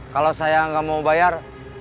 kalau saya nggak mau bayar